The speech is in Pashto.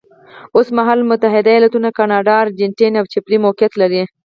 اوس مهال متحده ایالتونه، کاناډا، ارجنټاین او چیلي موقعیت لري.